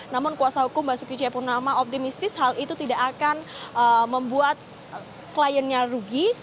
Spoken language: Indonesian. namun kuasa hukum basuki cepurnama optimistis hal itu tidak akan membuat kliennya rugi